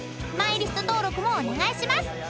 ［マイリスト登録もお願いします。